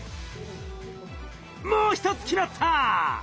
もう一つ決まった！